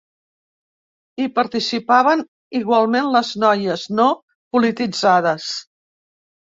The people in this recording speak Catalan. Hi participaven igualment les noies no polititzades.